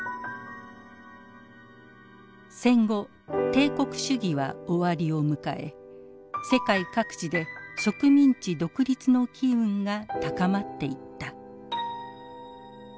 戦後帝国主義は終わりを迎え世界各地で植民地独立の機運が高まっていった。